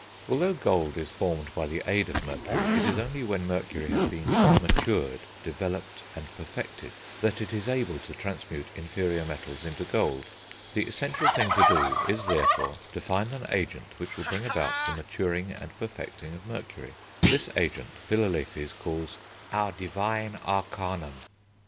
Although gold is formed by the aid of Mercury, it is only when Mercury has been matured, developed, and perfected, that it is able to transmute inferior metals into gold. The essential thing to do is, therefore, to find an agent which will bring about the maturing and perfecting of Mercury. This agent, Philalethes calls "Our divine Arcanum."